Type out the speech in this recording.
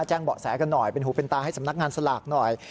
เบาะแสกันหน่อยเป็นหูเป็นตาให้สำนักงานสลากหน่อย